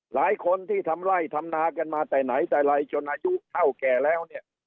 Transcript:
หลายคนที่ทำไล่ทำนากันมาแต่ไหนแต่ไรจนอายุเท่าแก่แล้วเนี่ย